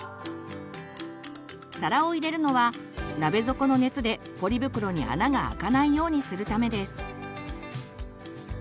皿を入れるのは鍋底の熱でポリ袋に穴が開かないようにするためです。